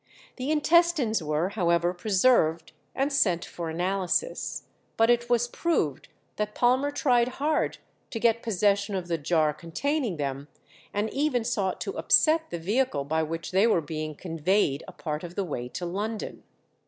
The intestines were, however, preserved and sent for analysis, but it was proved that Palmer tried hard to get possession of the jar containing them, and even sought to upset the vehicle by which they were being conveyed a part of the way to London.